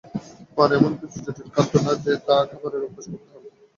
পান এমন কিছু জটিল খাদ্য না যে তা খাবার জন্যে অভ্যাস করতে হয়।